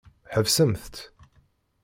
Ḥebsemt-tt.